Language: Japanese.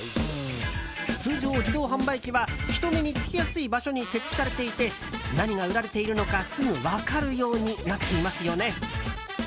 通常、自動販売機は人目に付きやすい場所に設置されていて何が売られているのか、すぐ分かるようになっていますよね。